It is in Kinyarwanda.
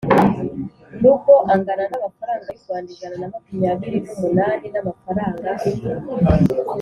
rugo angana n amafaranga y u Rwanda ijana na makumyabiri n umunani n amafaranga